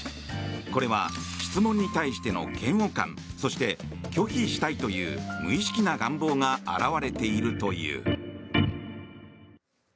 これは質問に対しての嫌悪感そして拒否したいという無意識な願望が表れているという。